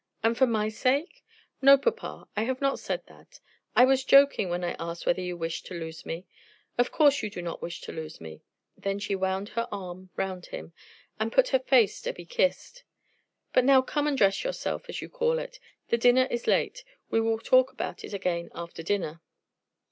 "And for my sake?" "No, papa; I have not said that. I was joking when I asked whether you wished to lose me. Of course you do not want to lose me." Then she wound her arm round him, and put up her face to be kissed. "But now come and dress yourself, as you call it. The dinner is late. We will talk about it again after dinner."